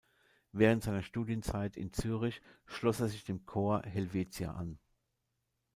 Während seiner Studienzeit in Zürich schloss er sich dem Corps Helvetia an.